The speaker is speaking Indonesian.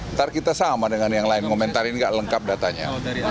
ntar kita sama dengan yang lain ngomentarin nggak lengkap datanya